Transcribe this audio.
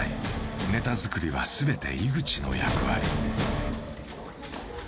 ネタ作りは、すべて井口の役割。